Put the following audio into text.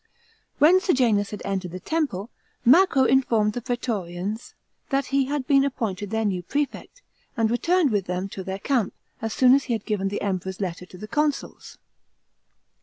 When Sejanus hao entered the temple, Macro informed the praetorians that he had been appointed their new prefect, and returned with them to their camp, as soon as he had given the Emperor's letter to the consuls.